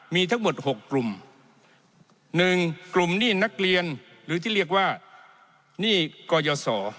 มีทั้งหมด๖กลุ่ม๑กลุ่มหนี้นักเรียนหรือที่เรียกว่าหนี้กรยศ